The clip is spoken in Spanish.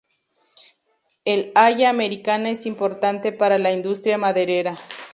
El haya americana es importante para la industria maderera.